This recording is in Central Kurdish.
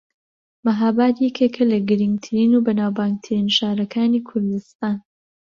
مەھاباد یەکێکە لە گرنگترین و بەناوبانگترین شارەکانی کوردستان